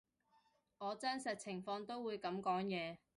我真實情況都會噉講嘢